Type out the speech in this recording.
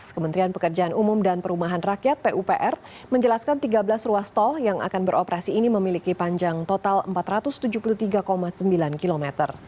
kementerian pekerjaan umum dan perumahan rakyat pupr menjelaskan tiga belas ruas tol yang akan beroperasi ini memiliki panjang total empat ratus tujuh puluh tiga sembilan km